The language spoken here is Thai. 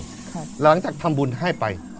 หลังจากทำบุญให้ไป